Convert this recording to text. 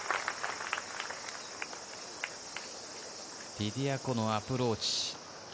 リディア・コのアプローチ。